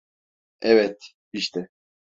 Evet, işte.